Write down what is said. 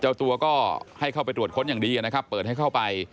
เจ้าตัวก็ให้เข้าไปตรวจค้นอย่างดีนะครับเปิดให้เข้าไป